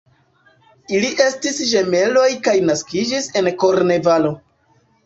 Ili estis ĝemeloj kaj naskiĝis en Kornvalo.